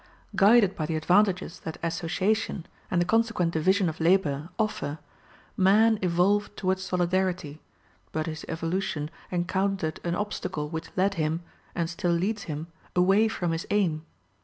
Guided by the advantages that association and the consequent division of labor offer, man evolved towards solidarity, but his evolution encountered an obstacle which led him, and still leads him, away from his aim.